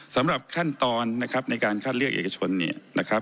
สำหรับขั้นตอนนะครับในการคัดเลือกเอกชนเนี่ยนะครับ